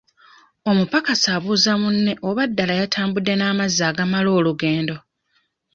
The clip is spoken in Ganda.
Omupakasi abuuza munne oba ddala yatambudde n'amazzi agamala olugendo.